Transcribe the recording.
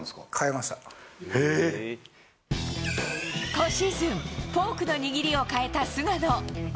今シーズンフォークの握りを変えた菅野。